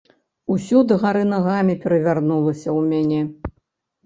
Усё дагары нагамі перавярнулася ў мяне.